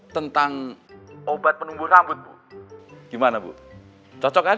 tentang obat penumbuh rambut gimana bu cocok kan